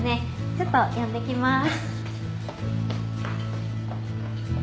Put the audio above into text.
ちょっと呼んできまーす。